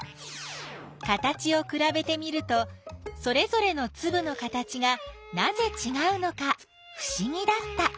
形をくらべてみるとそれぞれのつぶの形がなぜちがうのかふしぎだった。